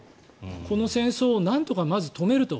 この戦争をなんとかまず止めると。